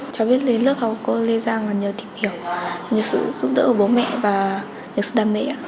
cháu biết đến lớp học của cô lê giang là nhờ tìm hiểu nhờ sự giúp đỡ của bố mẹ và nhờ sự đam mê